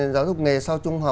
giáo dục nghề